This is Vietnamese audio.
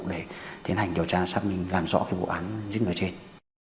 để tiến hành điều tra xác minh làm rõ cái vụ án dính ở trên